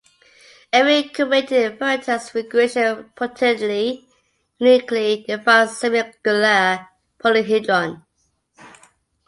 Every enumerated vertex configuration potentially uniquely defines a semiregular polyhedron.